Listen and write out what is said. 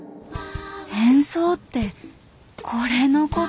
変装ってこれのこと？